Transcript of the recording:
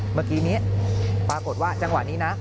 เมื่อกี้นี้ปรากฏว่าจังหวะนี้นะ